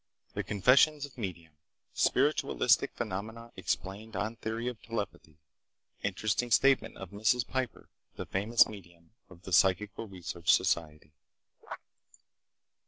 The Confessions of Medium.—Spiritualistic Phenomena Explained on Theory of Telepathy.—Interesting Statement of Mrs. Piper, the Famous Medium of the Psychical Research Society.